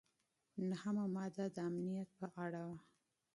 نهمه ماده د امنیت په اړه وه.